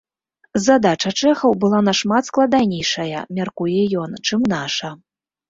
Задача чэхаў была нашмат складанейшая, мяркуе ён, чым наша.